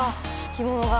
着物が。